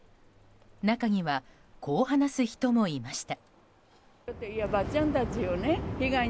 中には、こう話す人もいました。